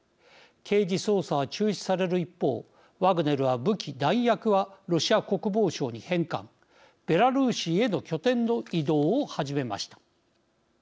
刑事捜査は中止される一方ワグネルは武器弾薬はロシア国防省に返還ベラルーシへの拠点の移動を始めました。